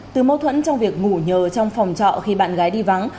từ mâu thuẫn trong việc ngủ nhờ trong phòng trọ khi bạn gái đi vắng